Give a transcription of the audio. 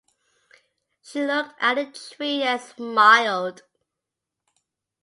She looked at the tree and smiled.